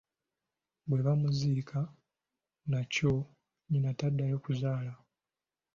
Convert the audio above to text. Bwe bamuziika naky'o nnyina taddayo kuzaala.